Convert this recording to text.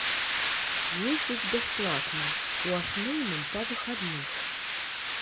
Ездзяць бясплатна, у асноўным, па выхадных.